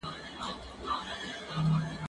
زه مخکي سبا ته فکر کړی و؟